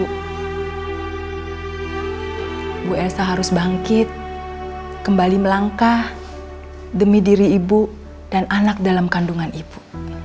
ibu elsa harus bangkit kembali melangkah demi diri ibu dan anak dalam kandungan ibu